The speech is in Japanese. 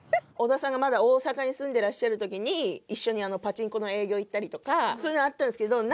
小田さんがまだ大阪に住んでらっしゃるときに一緒にパチンコの営業行ったりとかそういうのあったんですけど。